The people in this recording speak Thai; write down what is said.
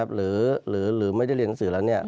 หรือไม่ได้เรียนหนังสือแล้ว